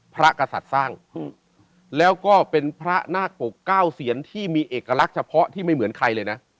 กษัตริย์สร้างแล้วก็เป็นพระนาคปกเก้าเซียนที่มีเอกลักษณ์เฉพาะที่ไม่เหมือนใครเลยนะ